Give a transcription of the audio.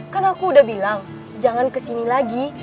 kan aku udah bilang jangan ke sini lagi